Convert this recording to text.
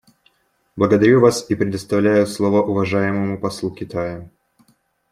Благодарю вас и предоставляю слово уважаемому послу Китая.